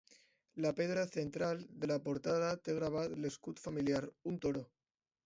La pedra central de la portada té gravat l'escut familiar: un toro.